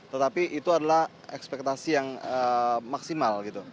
tetapi itu adalah ekspektasi yang maksimal gitu